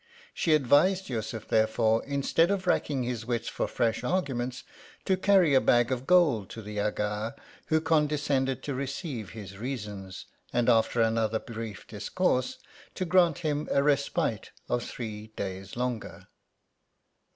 She advised Yussuf, therefore, instead of racking his wits for fresh arguments, to carry a bag of gold to the Aga, who condescended to receive his reasons ; and after another brief discourse, to grant him a respite of three days longer.